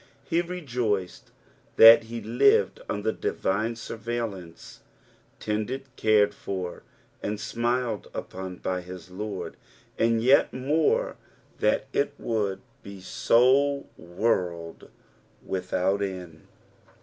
He rejoiced that he lived under the divine surveillance ; tended, cared for, and emiica upon by his Lord ; and yet more, that it would be so world without end.